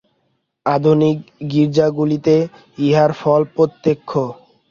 আধুনিক গির্জাগুলিতে ইহার ফল প্রত্যক্ষ।